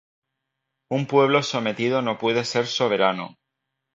Un pueblo sometido no puede ser soberano.